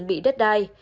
bị đất đai